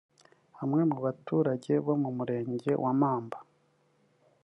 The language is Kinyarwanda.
Bamwe mu baturage bo mu murenge wa Mamba